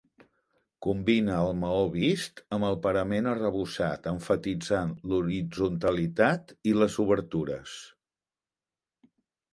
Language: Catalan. Combina el maó vist amb el parament arrebossat emfatitzant l'horitzontalitat i les obertures.